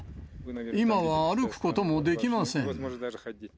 今は歩くこともできません。